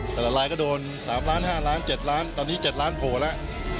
แต่ละลายก็โดน๓ล้าน๕ล้าน๗ล้านตอนนี้๗ล้านโผล่แล้ว